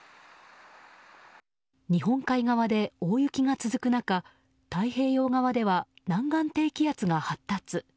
日本海側で大雪が続く中太平洋側では南岸低気圧が発達。